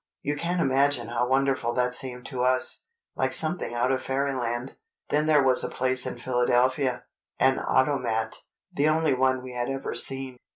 You can't imagine how wonderful that seemed to us ... like something out of Fairyland. Then there was a place in Philadelphia—an automat—the only one we had ever seen.